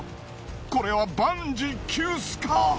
これは万事休すか！？